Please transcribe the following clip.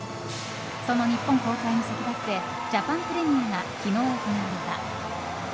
その日本公開に先立ってジャパンプレミアが昨日行われた。